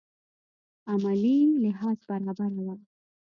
عملي لحاظ برابره وه.